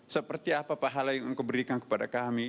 seperti apa pahala yang engkau berikan kepada kami